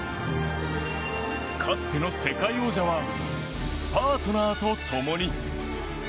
かつての世界王者はパートナーと共に。